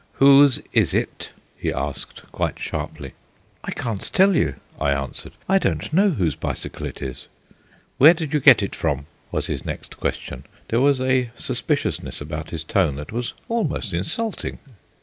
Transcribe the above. "Whose is it?" he asked, quite sharply. "I can't tell you," I answered. "I don't know whose bicycle it is." "Where did you get it from?" was his next question. There was a suspiciousness about his tone that was almost insulting.